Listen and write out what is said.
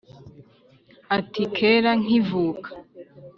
ati: kera nkivuka